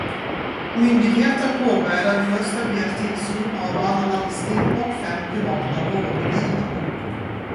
Myndigheten påbörjade en första bred tillsyn av alla landsting och fem privata vårdgivare.